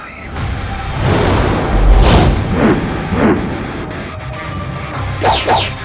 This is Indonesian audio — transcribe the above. rayus rayus sensa pergi